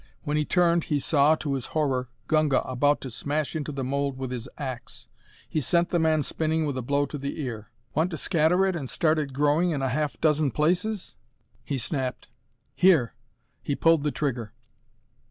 When he turned he saw, to his horror, Gunga about to smash into the mold with his ax. He sent the man spinning with a blow to the ear. "Want to scatter it and start it growing in a half dozen places?" he snapped. "Here!" He pulled the trigger.